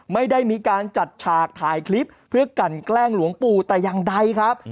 ไม่ได้มีการจัดฉากถ่ายคลิปเพื่อกันแกล้งหลวงปู่แต่อย่างใดครับ